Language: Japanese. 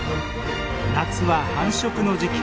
夏は繁殖の時期。